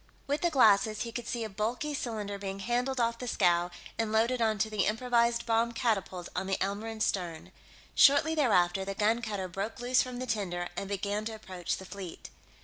With the glasses, he could see a bulky cylinder being handled off the scow and loaded onto the improvised bomb catapult on the Elmoran's stern. Shortly thereafter, the gun cutter broke loose from the tender and began to approach the fleet.